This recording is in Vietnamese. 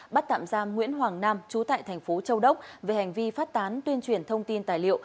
bắt tạm giam nguyễn hoàng nam trú tại thành phố châu đốc về hành vi phát tán tuyên truyền thông tin tài liệu